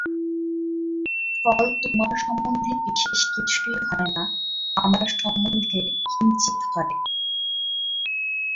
ফল তোমার সম্বন্ধে বিশেষ কিছুই হয় না, আমার সম্বন্ধে কিঞ্চিৎ হয়।